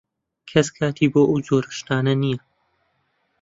کەس کاتی بۆ ئەو جۆرە شتە نییە.